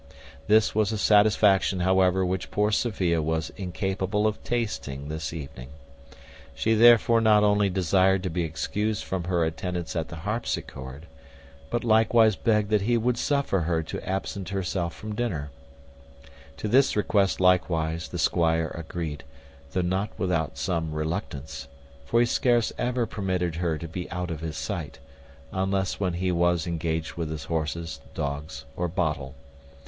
This was a satisfaction, however, which poor Sophia was incapable of tasting this evening. She therefore not only desired to be excused from her attendance at the harpsichord, but likewise begged that he would suffer her to absent herself from supper. To this request likewise the squire agreed, though not without some reluctance; for he scarce ever permitted her to be out of his sight, unless when he was engaged with his horses, dogs, or bottle.